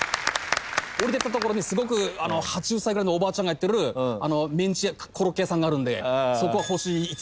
下りてったところに８０歳ぐらいのおばあちゃんがやってるメンチコロッケ屋さんがあるんでそこは。